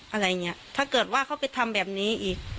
อะไรอย่างนี้ถ้าเกิดว่าเขาไปทำแบบนี้อีก